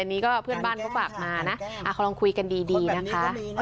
อันนี้ก็เพื่อนบ้านเขาฝากมานะเขาลองคุยกันดีนะคะ